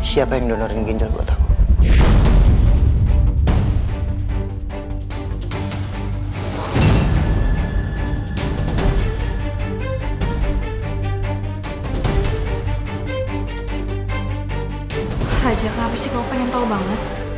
siapa yang donorin ginjal gua tau